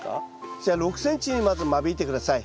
じゃあ６ｃｍにまず間引いて下さい。